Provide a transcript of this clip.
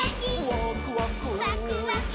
「ワクワク」ワクワク。